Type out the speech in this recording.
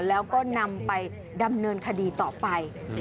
แล้วก็นำไปดำเนินคดีต่อไป